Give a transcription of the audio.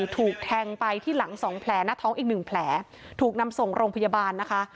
ถูกแทงไปที่หลังสองแผลหน้าท้องอีกหนึ่งแผลถูกนำส่งโรงพยาบาลนะคะ